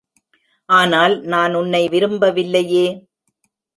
ஆனால் நான் உன்னை விரும்பவில்லையே!